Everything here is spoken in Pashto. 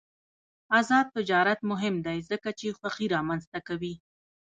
آزاد تجارت مهم دی ځکه چې خوښي رامنځته کوي.